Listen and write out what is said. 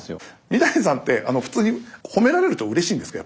三谷さんってあの普通に褒められるとうれしいんですか？